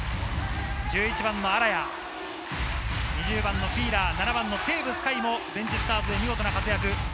１１番の荒谷、２０番のフィーラー、７番のテーブス海もベンチスタートで見事な活躍。